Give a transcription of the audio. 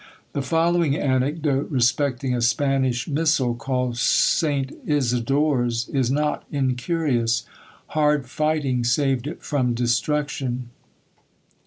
The following anecdote respecting a Spanish missal, called St. Isidore's, is not incurious; hard fighting saved it from destruction.